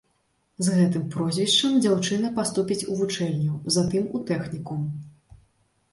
З гэтым прозвішчам дзяўчына паступіць у вучэльню, затым у тэхнікум.